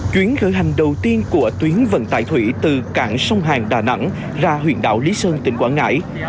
chuyến khởi hành đầu tiên của tuyến vận tải thủy từ cảng sông hàng đà nẵng ra huyện đảo lý sơn tỉnh quảng ngãi